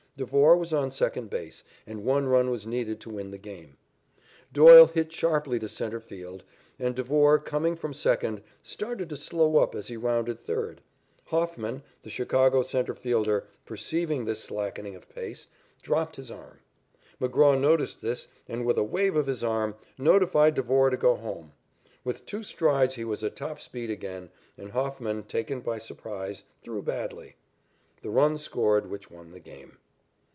Devore was on second base, and one run was needed to win the game. Doyle hit sharply to centre field, and Devore, coming from second, started to slow up as he rounded third. Hofman, the Chicago centre fielder, perceiving this slackening of pace, dropped his arm. McGraw noticed this, and, with a wave of his arm, notified Devore to go home. With two strides he was at top speed again, and Hofman, taken by surprise, threw badly. The run scored which won the game.